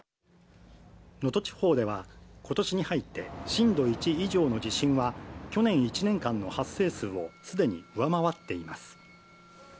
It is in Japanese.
能登地方では、ことしに入って震度１以上の地震は、去年１年間の発生数をすでに上回っています。